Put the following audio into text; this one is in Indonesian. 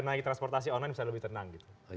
naik transportasi online bisa lebih tenang gitu